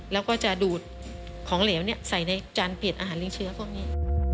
แล้วก็จะดูดของเหลวใส่ในจานเปลี่ยนอาหารเลี้ยเชื้อพวกนี้